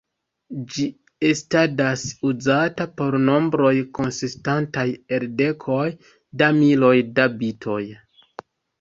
Ĝi estadas uzata por nombroj konsistantaj el dekoj da miloj da bitoj.